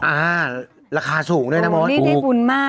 อ่าราคาสูงด้วยนะมดนี่ได้บุญมาก